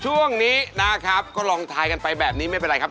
ช่วงนี้นะครับก็ลองทายกันไปแบบนี้ไม่เป็นไรครับ